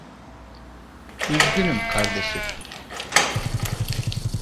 Üzgünüm kardeşim.